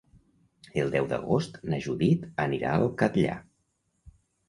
El deu d'agost na Judit anirà al Catllar.